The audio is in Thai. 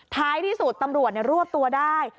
ท้ายที่สุดตำรวจรวบตัวได้